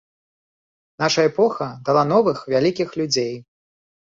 Наша эпоха дала новых вялікіх людзей.